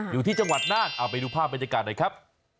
อยู่ที่จังหวัดน่านเอาไปดูภาพบรรยากาศหน่อยครับ